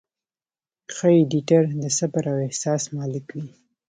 ښه ایډیټر د صبر او احساس مالک وي.